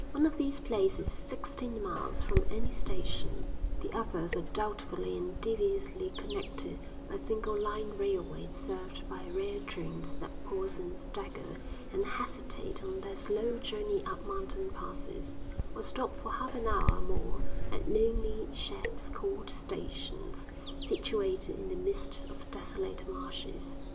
One of these places is sixteen miles from any station; the others are doubtfully and deviously connected by single line railways served by rare trains that pause and stagger and hesitate on their slow journey up mountain passes, or stop for half an hour or more at lonely sheds called stations, situated in the midst of desolate marshes.